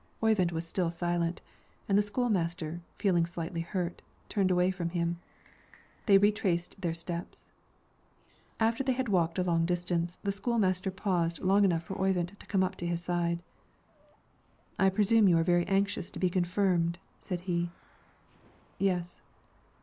Oyvind was still silent, and the school master, feeling slightly hurt, turned away from him. They retraced their steps. After they had walked a long distance, the school master paused long enough for Oyvind to come up to his side. "I presume you are very anxious to be confirmed," said he. "Yes."